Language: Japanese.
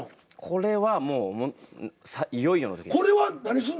これはもういよいよの時です。